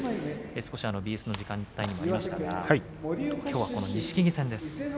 ＢＳの時間帯にも、ありましたがきょうはこの錦木戦です。